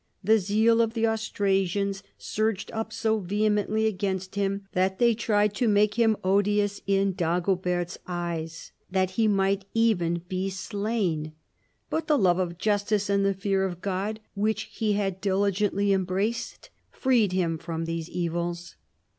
" The zeal of the Austrasians surged up so vehemently against him that they tried to make him odious in Dagobert's eyes, that he might even be slain, but the love of justice and the fear of God, which he had diligently embraced, freed him from all evils."